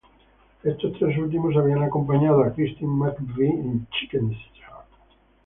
Estos tres últimos habían acompañado a Christine McVie en Chicken Shack.